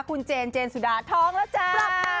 คุณเจนเจนสุดาท้องแล้วจ้า